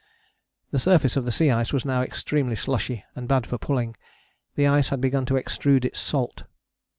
The surface of the sea ice was now extremely slushy and bad for pulling; the ice had begun to extrude its salt.